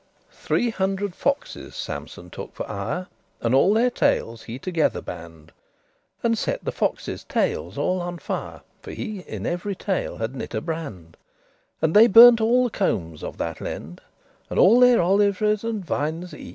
Three hundred foxes Sampson took for ire, And all their tailes he together band, And set the foxes' tailes all on fire, For he in every tail had knit a brand, And they burnt all the combs of that lend, And all their oliveres* and vines eke.